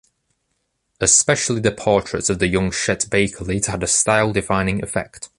Especially the portraits of the young Chet Baker later had a style-defining effect.